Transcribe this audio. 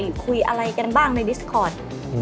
คุยอะไรกันบ้างในดิสคอร์ต